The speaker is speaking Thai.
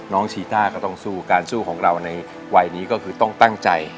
ชีต้าก็ต้องสู้การสู้ของเราในวัยนี้ก็คือต้องตั้งใจ